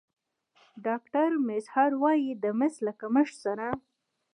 ډاکتر میزهر وايي د مس له کمښت سره